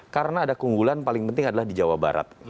karena ada keunggulan paling penting adalah di jawa barat